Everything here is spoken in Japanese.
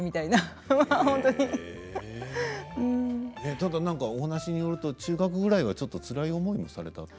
ただ何かお話によると中学ぐらいはちょっとつらい思いもされたと。